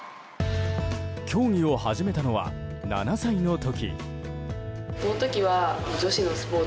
競技を始めたのは７歳の時。